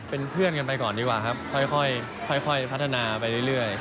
เป็นเพื่อนกันไปก่อนดีกว่าครับค่อยพัฒนาไปเรื่อย